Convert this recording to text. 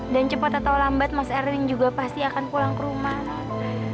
dan cepat atau lambat mas erwin juga pasti akan pulang ke rumah non